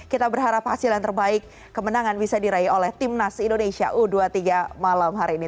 kita berharap hasil yang terbaik kemenangan bisa diraih oleh timnas indonesia u dua puluh tiga malam hari ini